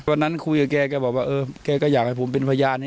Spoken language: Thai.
วันนั้นคุยกับแกแกบอกว่าเออแกก็อยากให้ผมเป็นพยาน